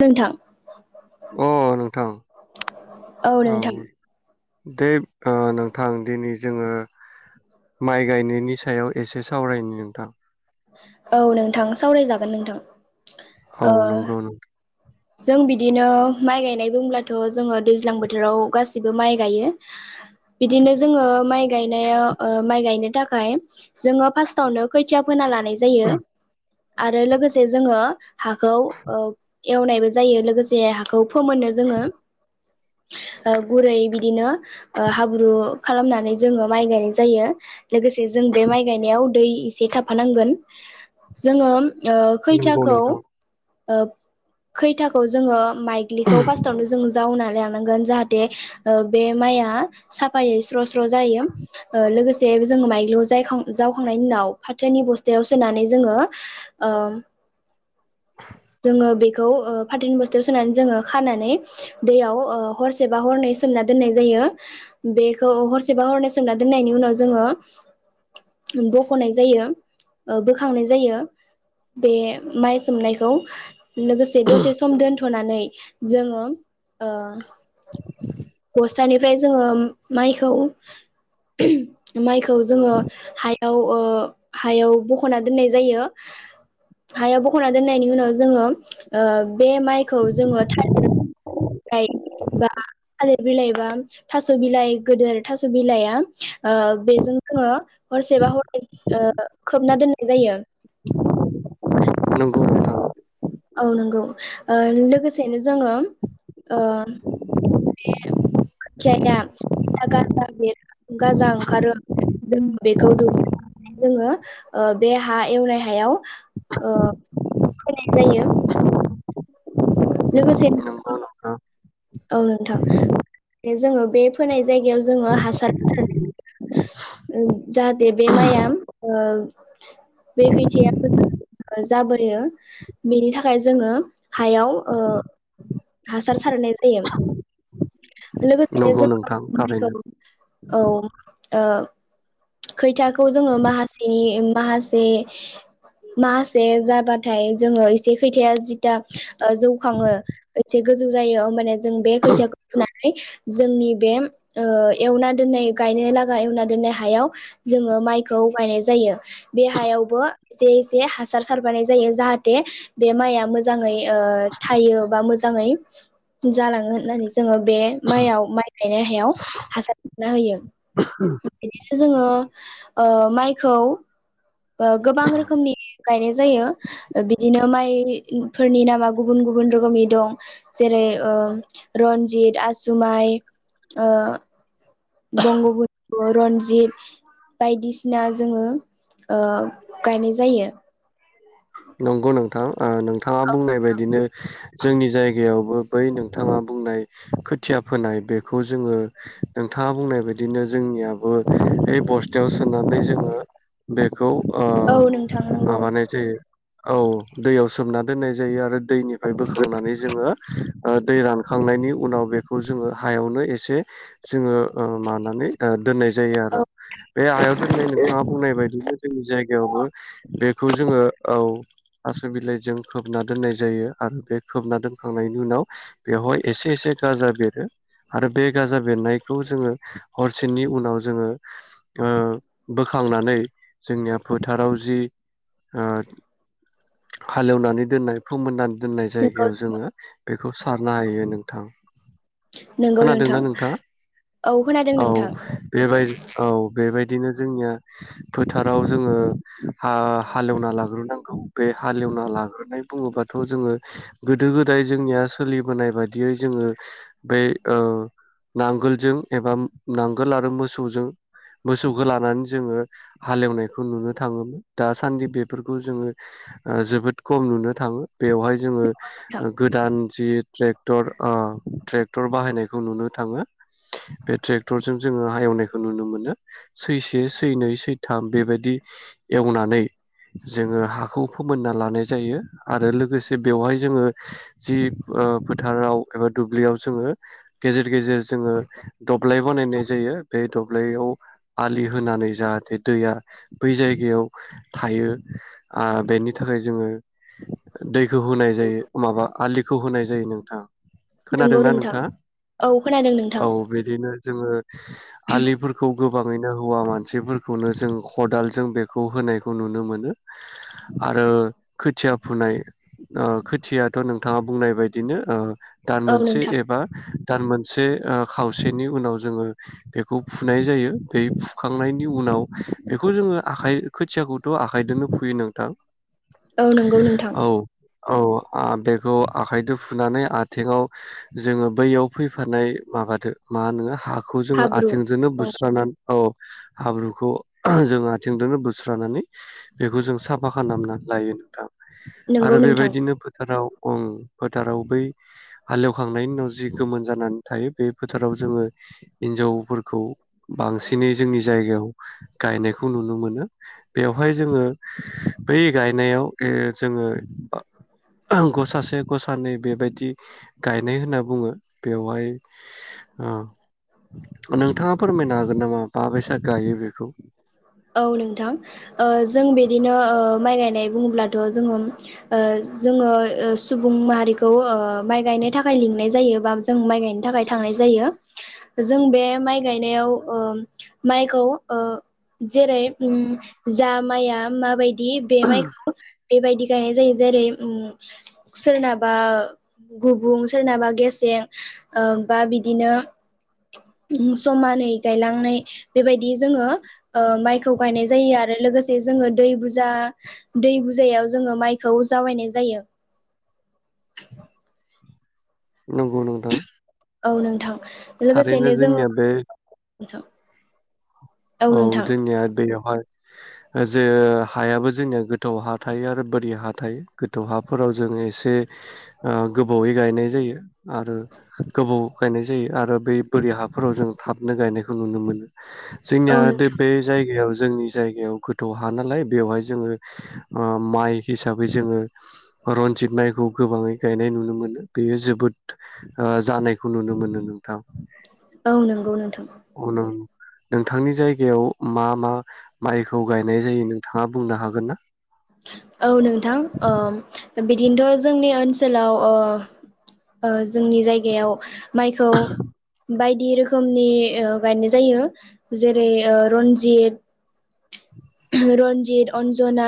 नोंथां अ नोंथां औ दे नोंथां दिनै जोङो माइ गायनायनि सायाव एसे सावरायनि नोंथां औ नोंथां सावरायजागोन नोंथां औ ओ नंगौ नों जों बिदिनो माइ गायनाय बुंब्लाथ' जोङो दैज्लां बोथोराव गाैसैबो माइ गायो। बिदिनो जोङो माइ गायनाया ओ माइ गायनो। थाखाय जोङो फासथावनो खोथिया फोनाला नायजायो। आरो लोगोसे जोङो हाखौ ओग एवनायबो जायो लोगोसे हाखौ फोमोननो जोङो ओ गुरै बिदिनो ओ हाब्रु खालामनानै जोङो माइ गायनाय जायो लोगोसे जों बे माइ गायनायाव दै एसे थाफानांगोन जोङो ओ नंगौ खैथियाखौ नोंथां [unintelligible] खैथियाखौ जोङो माइग्लिखौ फार्स्टावनो जों जावनानै लानांगोन जाहाटे ओ बे माया साफायै‌ स्र स्र जायो ओ लोगोसे से मायलि जावखांनायनि उनाव फाथोनि बस्थायाव सोनानै जोङो‌ ओम जोङो बेखौ ओ फाथोनि बस्थायाव सोनानै जोङो खानानै दैयाव हरसेबा हरनै सोमना दोननाय जायो बेखौ हरसेबा हरनै सोमना दोननायनि उनाव जोङो बखनाय जायो बोखांनाय जायो बे माइ सोमनायखौ [inaudible] लोगोसे दसे सम दोनथ नानै जोङो ओ गस्तानिफ्राय जोङो मायखौ माइखौ जोङो हायाव ओ हायाव बखना दोननाय जायो हायाव बखना दोननायनि उनाव जो जोङो ओ बे माइखौ जोङो थालिर लाइ बा थालिर बिलाइ बा थास बिलाइ गोदोर थास बिलाइआ बेजों जोङो हरसेबा हरै खोबना दोननाय जायो नंगौ नोंथां औ नंगौ लोगोसेनो जोङो बे खोथियाया गाजा बेर गाजा ओंखारो जों बेखौ [unintelligible] बे हा एवनाय हायाव होनाय जायो लोगोसे नंगौ [unintelligible] नोंथां औ नोंथां जोङो बे फोनाय जायगायाव जोङो हासार जाहाथे बे माइआ बे खैथिया जाबोयो बेनि थाखाय जोङो हायाव ओ हासार सारनाय जायो नंगौ नोंथां लोगोसेनो जों थारैनो [unintelligible] औ ओ खैथा खौ जोङो माखासेनि ओम माहासे माहासे जाबाथाय जोङो एसे खैथाया जिथा जौखाङो एसे गोजौ जायो औमबानिया जों जों बे खौथियाखौ [unintelligible] जोंनि बे ओ एवना दोननाय गायनाय लागा एवना दोननाय हायाव जोङो माइखौ गायनाय जायो बे हायावबो एसे एसे हासार सारबानाय जायो जाहाथे बे माइआ मोजाङै ओ‌ थायो बा मोज जाङै जालाङो होननानै जोङो बे माइयाव माइ गायनाय हायाव हासार होनना होयो। जोङो ओ माइखौ ओ गोबां रोखोमनि गायनाय जायो बिदिनो माइफोरनि नामा गुबुन गुबुन रोखोमनि दं जेरै ओ रन्जित आसु माइ ओ बंग [inaudible] रनजित बायदिसिना जोङो ओ गायनाय जायो। नंगौ नोंथां। ओ नोंथाङा बुंनाय बायदिनो जोंनि जायगायावबो बै नोंथाङा बुंनाय खोथिया फोनाय बेखौ जोङो नोंथाङा बुंनाय बायदिनो जोंनियाबो ऐ बस्थायाव सोनानै जोङो बे खौ ओ औ नोंथां नंगौ माबानाय जायो। औ दैयाव सोमना दोननाय जायो आरो दैनि फाय बोखांनानै जोङो ओ दै रानखांनायनि उनाव बे खौ जोङो हायावनो एसे जोङो ओ मानानै दोननाय जायो औ आरो बे हायाव दोननाय नोंथाङा बुंनाय बायदिनो जोंनि जायगायावबो बेखौ जोङो औ आसु बिलाइजों खोबना दोननाय जायो आरो बे खोबना दोनखांनायनि उनाव बेवहाय एसे एसे गाजा बेरो। आरो बे गाजा बेरनायखौ जोङो हरसेनि उनाव जोङो ओ बोखांनानै जोंनिया फोथाराव जि ओ हालेवनानै दोननाय फोमोननानै दोननाय नंगौ जायगायाव जोङो बेखौ सारनो हायो नोंथां नंगौ नोंथां खोनादोंना नोंथाङा औ खोनादों औ नोंथां बेबाय औ बेबायद बिदिनो जोंनिया फोथाराव जोङो हा हालेवना लाग्रोनां औ। बे हालेवना लाग्रोनाय बुङोबाथ जोङो गोदो गोदाय जोंनिया सोलिबोनाय बाददियै जोङो बे ओ नांगोलजों एबा नांगोल आरो मोसौजों मोसौखौ लानानै जोङो हालेवनायखौ नुनो थाङोमोन दासान्दि बेफोरखौ जोङो ओ जोबोद खम नुनो थाङो। बेवहाय जोङो नोंथां गोदान जि ट्रेक्टर ओ ट्रेक क्टर बाहायनायखौ नुनो थाङो। बे ट्रेक्टरजों जोङो एवनायखौ नुनो मोनो सै से सै नै सैथाम बेबायदि एवनानै जोङो हा बे खौ फोमोनना लानाय जायो आरो लोगोसे बेवहाय जोङो जि ओ फोथाराव एबा दुब्लियाव जोङो गेजेर गेजेर जोङो दब्लाय बानायनाय जायो बे दब्लायाव आलि होनानै जाहाथे दैया बै जायगायाव थायो। आ बेनि थाखाय जोङो दैखौ होनाय जायो माबा आलि खौ होनाय जायो नोंथां। नंगौ खोनादोंना नोंथां नोंथांङा औ खोनादों नोंथां औ बिदिनो जोङो आलिफोरखौ गो गोबाङैनो हौवा मानसिफोरखौनो जों खदालजों बेखौ होनायखौ नुनो मोनो। आरो खोथिया फुनाय ओ खोथियाथ नोंथां बुंनाय बायदि बिदिनो दान औ मोनसे नोंथां एबा दान मोनसे खावसेनि उनाव जोङो। बेखौ फुनाय जायो बे फु खांनायनि उनाव बेखौ जोङो आखाइ खोथियाखौथ आखाइजोंनो फु बे नोंथां औ नंगौ नोंथां औ औ बेखौ आखाइजों फुनानै आथिङाव जोङो बैयाव फैफानाय माबादो मा होनो हा खौ जोङो हाब्रु आथिंजोंनो औ बुस्रानानै औ हाब्रुखौ जों आथिंजोंनो बोस्रानानै बेखौ जों साफा खालामना लायो नोंथां। आरो नंगौ नोंथां बेबायदिनो फोथाराव गं फोथाराव बै हालेवखांनायनि उनाव जि गोमोन जानानै थायो बे फोथाराव जोङो हिनजावफोरखौ बांसिनै जोंनि जायगायाव। गायनायखौ नुनो मोनो बेवहाय जोङो। बै गायनायाव ओ जोङो। गसासे गसानैै बेबायदि गायनाय होनना बुङो। बेवहाय ओ नोंथाङा फोरमायनो हागो गोन नामा बाबैसा गायो बेखौ। औ नोंथां ओ जों बिदिनो ओ माइ गायनाय बुङोब्लाथ ओ जोङो ओ जोङो सुबुं माहारिखौ ओ माइ गायनो थाखाय लिंनाय जायो। बा जों माइ गायनो थाखाय थांनाय जायो जों बे माइ गायनायाव ओ माइखौ ओ जेरै ओम जा माइया माबाय दि बे माइखौ बेबायदि गायनाय जायो जेरै उ सोरनाबा गुबुं सोरनाबा गेसें ओ बा बिदिनो समानै गायलांनाय बेबायदि जोङो ओ माइखौ गायनाय जायो आरो लोगोसे जोङो दै बुजा दै बुजायाव जोङो माइखौ जावायनाय जायो। नंगौ नोंथां औ नोंथां थारैनो जोंनिया बे नोथां औ जोंनिया दैयावहाय जे हायाबो जोंनिया गोथौ हा थायो आरो बोरि हा थायो गोथौ हाफोराव जों एसे ओ गोबावै गायनाय जायो आरो गोबाव गायनाय जायो आरो बे बोरि हाफोराव जों थाबनो गायनायखौ नुनो मोनो। जोंनिया औ नोंथां बे जायगायाव जोंनि जाय बेयाव गोथौ हा नालाय बेवहाय जोङो ओ माइ हिसाबै जोङो रन्जित माइखौ गोबाङै गायनाय नुनो मोनो बेयो जोबोद जानायखौ नुनो मोनो नों औ नंगौ नोंथां। उनाव नोंथांनि जायगायाव मा मा माइखौ गायनाय जायो नोंथाङा बुंनो हागोन ना? औ नोंथां ओ बिदिनोथ जोंनि ओनसोलाव ओ ओ जोंनि जायगायाव माइखौ बाय दि रोखोमनि ओ गायनाय जायो जेरै ओ रनजित रन्जित अन्जना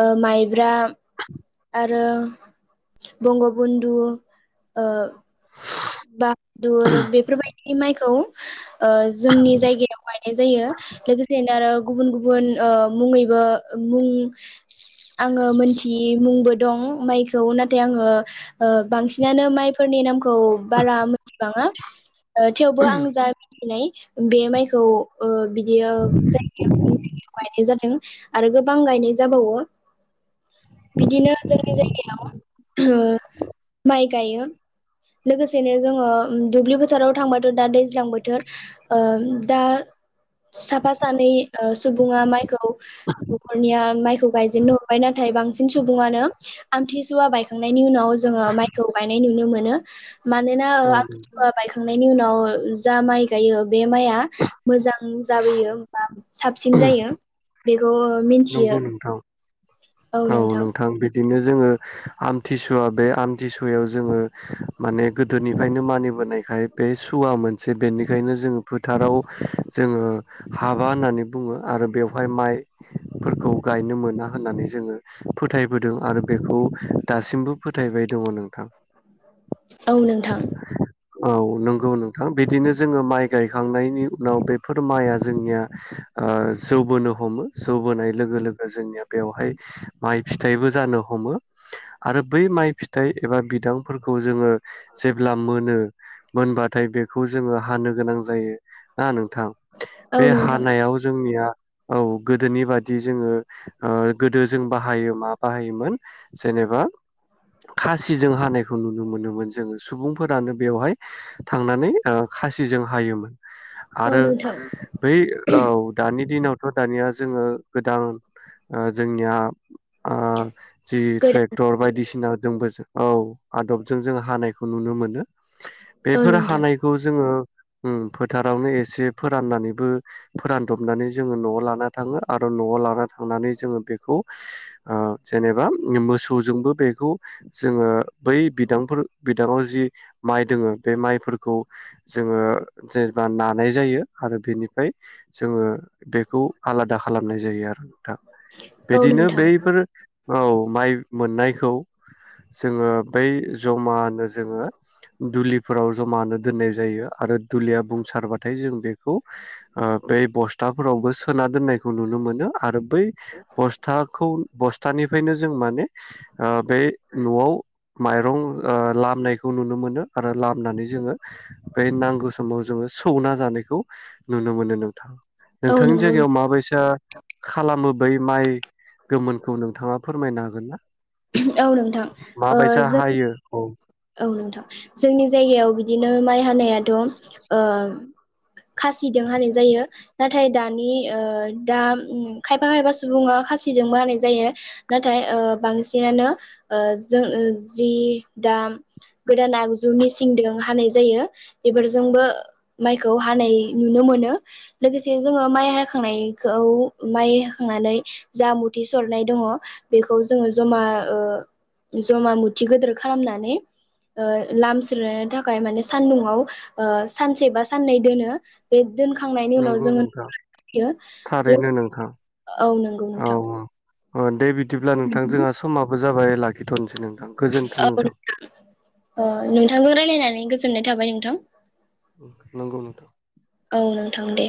ओ माइब्रा [unintelligible] आरो बंगबन्धु ओ बाहादुर बेफोरबायदि माइखौ ओ जोंनि जायगायाव गायनाय जायो लोगोसेनो आरो गुबुन गुबुन ओ मुङैबो मुं आङो मोनथियि मुंबो दं माइखौ नाथाय आङो ओ बांसिनानो माइफोरनि नामखौ बारा मिथिबाङा ओ थेवबो आं जा मिथिनाय बे माइखौ ओ बि बियो जायगायाव [unintelligible] जादों। आरो गोबां गायनाय जाबावो बिदिनो जोंनि जायगायाव ओ माइ गायो। लोगोसेनो जोङो दुब्लि बोथोराव थांबाथ' दा दैज्लां बोथोर ओ दा साफा सानै ओ सुबुङा माइखौ नख'रनिया माइ खौ गायजेननो हरबाय नाथाय बांसिन सुबुङानो आमथिसुवा बायखांनायनि उनाव जोङो माइखौ गायनाय नुनो मोन - नो। मानोना अ आबथिसुवा बायखांनायनि उनाव जा माइ गायो बे माइआ मोजां जाबोयो होमबा साबसिन जायो। बे ओ नंगौ मिनथियो। नोंथां औ नोंथां बे बिदिनो जोङो आमथिसुवा बे आमथिसुवायाव जोङो माने गोदोनिफ्रायनो मानिबोनायखाय बे सुवा मोनसे बेनिखायनो जोङो फोथाराव जोङो हाबा होननानै बुङो आरो बेवहाय माइफोरखौ गायनो मोना होननानै ज जोङो फोथायबोदों आरो बेखौ दासिमबो फोथायबाय दङ नोंथां। औ नोंथां औ नंगौ नोंथां बिदिनो जोङो माइ गायखांनायनि उनाव बेफोर माइआ जोंनिया ओ जौबोनो हमो जौ बोनाय लोगो लोगो जोंनिया बेवहाय माइ फिथाइबो जानो हमो आरो बै माइ फिथाइ एबा बिदांफोरखौ जोङो जेब्ला मोनो मोनबाथाय बे खौ जोङो हानो गोनां जायो ना नोंथां औ बे नोंथां हानायाव जोंनिया औ गोदोनि बादि जोङो ओ गोदो जों बाहायो मा बाहायोमोन जेनेबा खासिजों हानायखौ नुनो मोनोमोन जोङो सुबुंफोरानो बेवहाय थांनानै ओ खासिजों हायोमोन। औ आरो नोंथां बै औ दानि दिनाव दानिया जोङो गोदान ओ जोंनिया ओ जि गोदान ट्रेक्टर बायदिसिना जोंबो औ आदबजों जों हानायखौ नुनो मोनो। औ बेफोर नोंथां हानायखौ जोङो ओम फोथारावनो एसे फोराननानैबो फोरानदबनानै जोङो न'आव लाना थाङो आरो न'आव लाना थांनानै जोङो बेखौ ओ जेनेबा मोसौजोंबो बेखौ जोङो बै बिदांफोर बिदाङाव जि माइ दोङो बे माइफोरखौ जोङो जेनेबा नानाय जायो आरो बेनिफ्राय जोङो बेखौ आलादा खालामनाय जायो आरो नोंथां। औ बिदिनो नोंथां बैफोर औ माइ मोननायखौ जोङो बै जमानो जोङो दुलिफोराव जमानो दोननाय जायो आरो दुलिया बुंसारबाथाय जों बेखौ ओ बै बस्थाफोरावबो सोना दोननाय खौ नुनो मोनो आरो बै बस्थाखौ बस्थानिफ्रायनो जों माने ओ बे न'आव माइ रं ओ लामनायखौ नुनो मोनो आरो लामनानै जोङो बे नांगौ समाव जोङो सौना जानायखौ नुनो मोनो नोंथां औ नोंथांनि नंगौ जायगायाव माबैसा खालामो बै माइ गोमोनखौ नोंथाङा फोरमायनो हागोन ना औ नोंथां ओ माबायसा जों हायो औ। औ नोंथां जोंनि जायगायाव बिदिनो माइ हानायाथ' ओ खासिजों हानाय जायो नाथाय दानि ओ दा ओ खायफा खायफा सुबुङा खासिजोंबो हानाय जायो नाथाय ओ बांसिनानो ओ जों ओ जि दाम गोदान आगजु मिसिंदों हानाय जायो बेफोरजोंबो माइखौ हानाय नुनो मोनो लोगोसे जोङो माइ हाखांनायखौ माइ हाखांनानै जा मुथि सरनाय दङ बेखौ जोङो जमा ओ जमा मुथि गोदोर खालामनानै ओ लामस्रोनो थाखाय माने सान्दुंआव ओ सानसे बा साननै दोनो बे दोनखांनायनि उनाव नंगौ जोङो नोंथां थारैनो नोंथां [unintelligible] औ नंगौ नोंथां। ओन दे बिदिब्ला नोंथां जोंहा समाबो जाबायै लागै औ नोंथां ओ नोंथांजों रायलायनानै गो गोजोननाय थाबाय नोंथां। नंगौ नोंथां। औ नोंथां दे।